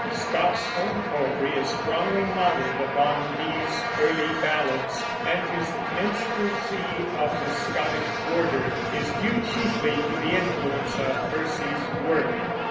Scott's own poetry is strongly modeled upon these early ballads, and his Minstrelsy of the Scottish Border is due chiefly to the influence of Percy's work.